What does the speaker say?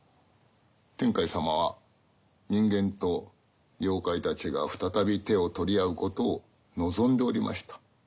天海様は人間と妖怪たちが再び手を取り合うことを望んでおりました。